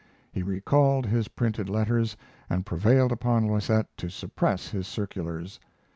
He recalled his printed letters and prevailed upon Loisette to suppress his circulars.